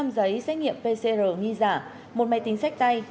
bốn mươi năm giấy xét nghiệm pcr nghi giả một máy tính xét tay